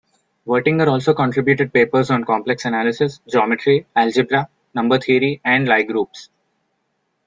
Wirtinger also contributed papers on complex analysis, geometry, algebra, number theory, and Lie groups.